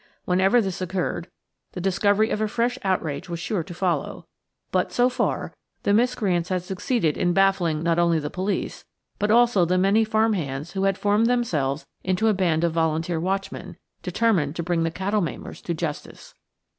Whenever this occurred the discovery of a fresh outrage was sure to follow, but, so far, the miscreants had succeeded in baffling not only the police, but also the many farm hands who had formed themselves into a band of volunteer watchmen, determined to bring the cattle maimers to justice.